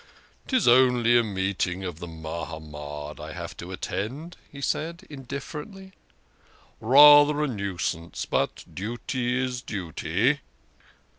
" 'Tis only a meeting of the Mahamad I have to attend," he said indifferently. " Rather a nuisance but duty is duty."